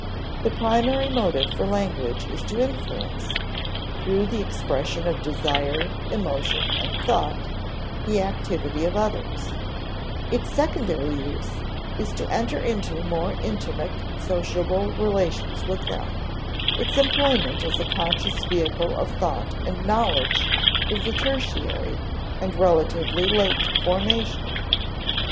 The primary motive for language is to influence (through the expression of desire, emotion, and thought) the activity of others; its secondary use is to enter into more intimate sociable relations with them; its employment as a conscious vehicle of thought and knowledge is a tertiary, and relatively late, formation.